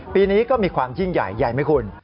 ปีนี้ก็มีความยิ่งใหญ่ใหญ่ไหมคุณ